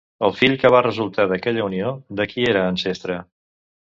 El fill que va resultar d'aquella unió, de qui era ancestre?